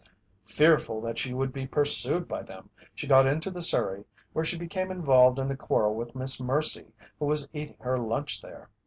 Fearful that she would be pursued by them, she got into the surrey, where she became involved in a quarrel with Miss Mercy, who was eating her lunch there.